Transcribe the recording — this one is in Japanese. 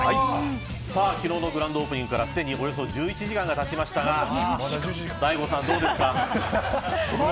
昨日のグランドオープニングからすでにおよそ１１時間がたちましたが大悟さん、どうですか。